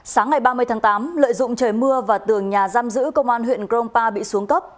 sáng ngày ba mươi tháng tám lợi dụng trời mưa và tường nhà giam giữ công an huyện grongpa bị xuống cấp